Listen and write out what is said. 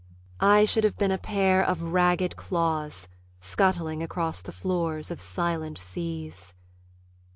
I should have been a pair of ragged claws Scuttling across the floors of silent seas.